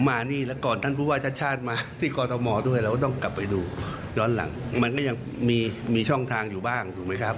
มันก็ยังมีช่องทางอยู่บ้างถูกมั้ยครับ